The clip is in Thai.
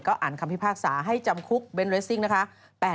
อ่านคำพิพากษาให้จำคุกเบนเรสซิ่งนะคะ